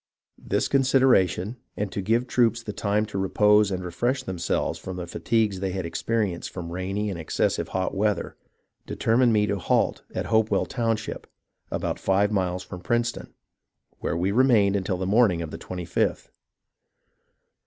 This consideration, and to give the troops time to repose and refresh themselves from the fatigues they had experienced from rainy and excessive hot weather, determined me to halt at Hopewell town ship, about five miles from Princeton, where we remained until the morning of the 25th.